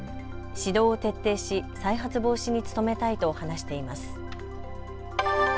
指導を徹底し再発防止に努めたいと話しています。